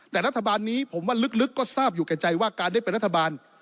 แต่รัฐบาลนี้ผมว่าลึกก็ทราบอยู่แก่ใจว่าการได้เป็นรัฐบาล